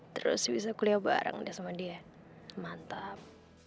terus bisa kuliah bareng deh sama dia mantap